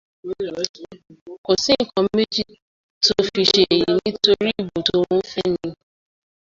Kò sí nǹkan méjì tó fi ṣe èyí nítorí ìbò tó ń fẹ̀ ni.